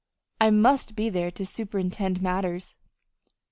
I must be there to superintend matters."